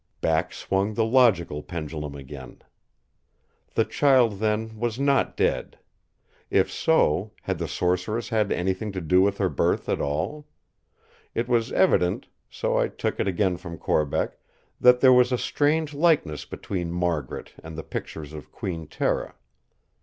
Back swung the logical pendulum again. The child then was not dead. If so, had the Sorceress had anything to do with her birth at all? It was evident—so I took it again from Corbeck—that there was a strange likeness between Margaret and the pictures of Queen Tera.